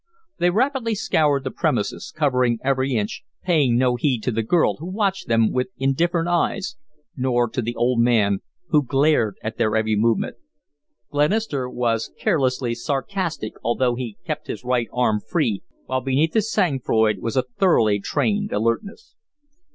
They rapidly scoured the premises, covering every inch, paying no heed to the girl, who watched them with indifferent eyes, nor to the old man, who glared at their every movement. Glenister was carelessly sarcastic, although he kept his right arm free, while beneath his sang froid was a thoroughly trained alertness.